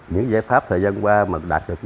những giải pháp thời gian qua mà đạt được